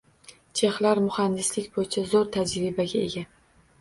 Chexlar muhandislik boʻyicha zoʻr tajribaga ega.